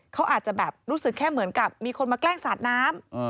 เขาอาจจะแบบรู้สึกแค่เหมือนกับมีคนมาแกล้งสาดน้ำ